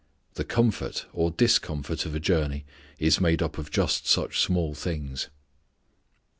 The comfort or discomfort of a journey is made up of just such small things.